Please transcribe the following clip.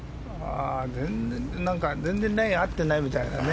全然ラインが合ってないみたいだね。